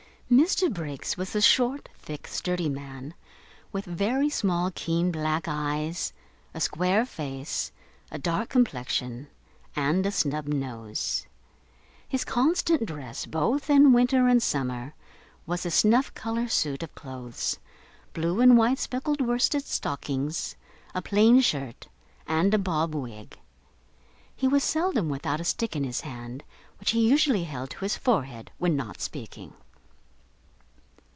Mr Briggs was a short, thick, sturdy man, with very small keen black eyes, a square face, a dark complexion, and a snub nose. His constant dress, both in winter and summer, was a snuff colour suit of clothes, blue and white speckled worsted stockings, a plain shirt, and a bob wig. He was seldom without a stick in his hand, which he usually held to his forehead when not speaking.